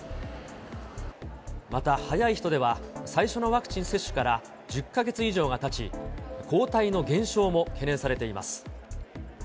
また早い人では、最初のワクチン接種から１０か月以上がたち、抗体の減少も懸念されています。